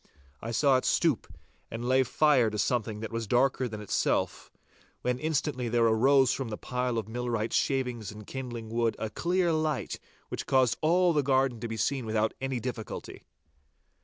I saw it stoop and lay fire to something that was darker than itself, when instantly there arose from the pile of millwright's shavings and kindling wood a clear light which caused all the garden to be seen without any difficulty.